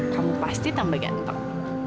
kamu pasti tambah ganteng